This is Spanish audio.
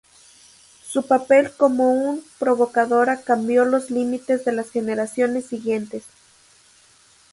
Su papel como un provocadora cambió los límites de las generaciones siguientes.